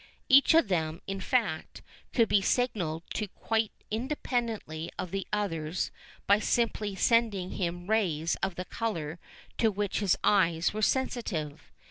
Each of them, in fact, could be signalled to quite independently of the others by simply sending him rays of the colour to which his eyes were sensitive.